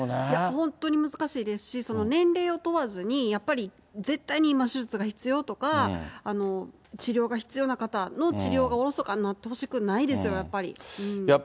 本当に難しいですし、年齢を問わずに、やっぱり絶対に今、手術が必要とか、治療が必要な方の治療がおろそかになってほしくないですよ、やっ